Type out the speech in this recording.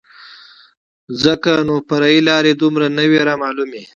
ځکه نو فرعي لارې دومره نه وې رامعلومې.